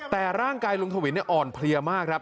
แต่ร่างกายลุงทวินอ่อนเพลียมากครับ